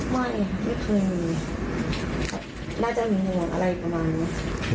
ไม่ไม่คือน่าจะมีห่วงอะไรประมาณนี้